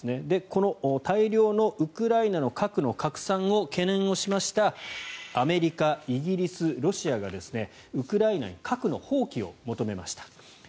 この大量のウクライナの核の拡散を懸念しましたアメリカ、イギリス、ロシアがウクライナに核の放棄を求めました。